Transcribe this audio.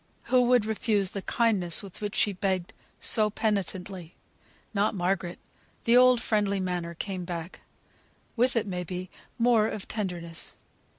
Who would refuse the kindness for which she begged so penitently? Not Margaret. The old friendly manner came back. With it, may be, more of tenderness.